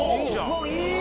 わっいい！